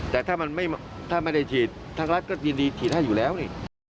แต่ถ้ามันถ้าไม่ได้ฉีดทางรัฐก็ยินดีฉีดให้อยู่แล้วนี่